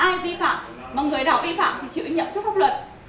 mới biết được là ai vi phạm mà người nào vi phạm thì chịu nhận chức pháp luật